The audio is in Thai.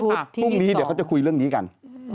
พรุ่งนี้เค้าจะคุยเรื่องนี้กัน